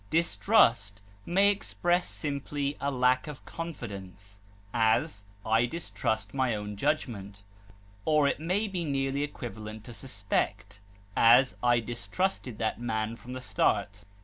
Distrust may express simply a lack of confidence; as, I distrust my own judgment; or it may be nearly equivalent to suspect; as, I distrusted that man from the start.